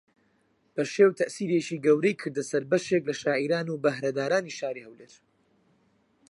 پەشێو تەئسیرێکی گەورەی کردە سەر بەشێک لە شاعیران و بەھرەدارانی شاری ھەولێر